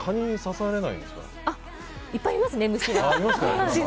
いっぱいいますね、虫が。